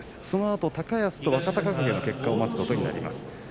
そのあと高安と若隆景の結果を待つことになります。